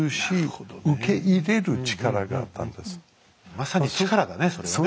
まさに力だねそれはね。